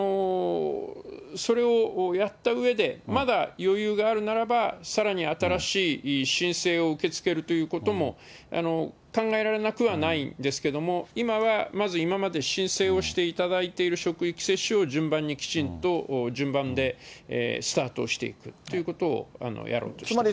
それをやったうえで、まだ余裕があるならば、さらに新しい申請を受け付けるということも考えられなくはないんですけれども、今はまず、今まで申請をしていただいている職域接種を順番にきちんと順番でスタートをしていくということをやろうとしています。